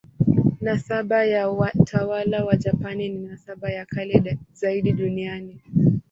Nasaba ya watawala wa Japani ni nasaba ya kale zaidi duniani.